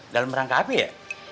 dalem rangka apet ya